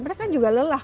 mereka kan juga lelah